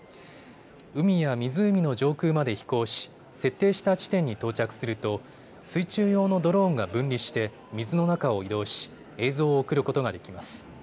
海や湖の上空まで飛行し設定した地点に到着すると水中用のドローンが分離して水の中を移動し映像を送ることができます。